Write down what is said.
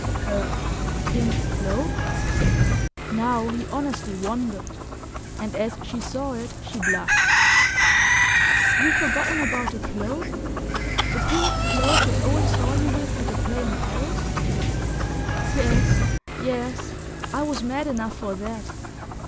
"Her pink cloak?" Now he honestly wondered, and as she saw it she blushed. "You've forgotten about the cloak? The pink cloak that Owen saw you with at the play in Paris? Yes ... yes...I was mad enough for that!...